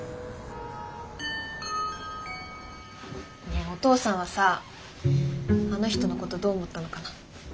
ねえお父さんはさあの人のことどう思ったのかな？